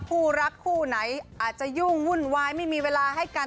คู่รักคู่ไหนอาจจะยุ่งวุ่นวายไม่มีเวลาให้กัน